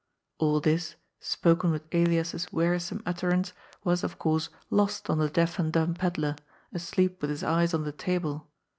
All this, spoken with Elias's wearisome utterance, was, of course, lost on the deaf and dumb pedlar, asleep with his eyes on the table.